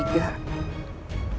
dengar suara dewi